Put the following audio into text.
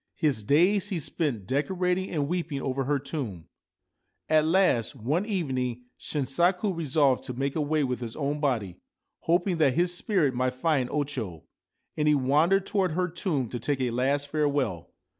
His days he spent decorating and weeping over her tomb. At last one evening Shinsaku resolved to make away with his own body, hoping that his spirit might find O Cho ; and he wandered towards her tomb to take a last farewell.